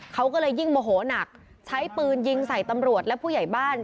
เขาก็เลยยิ่งโมโหนักใช้ปืนยิงใส่ตำรวจและผู้ใหญ่บ้าน